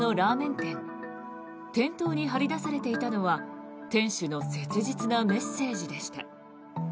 店頭に張り出されていたのは店主の切実なメッセージでした。